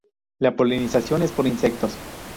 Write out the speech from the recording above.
La polinización es por insectos.